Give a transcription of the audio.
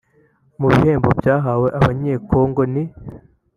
Mu bihembo byahawe Abanyekongo ni